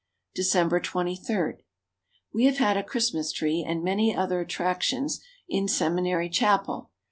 December 23. We have had a Christmas tree and many other attractions in Seminary chapel.